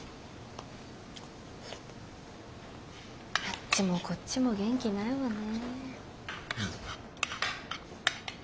あっちもこっちも元気ないわね。